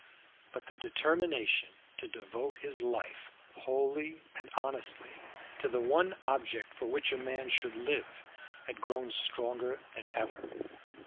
But the determination to devote his life wholly and honestly to the one object for which a man should live had grown stronger than ever.